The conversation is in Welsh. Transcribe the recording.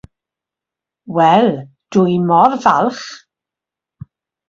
Wel, dw i mor falch!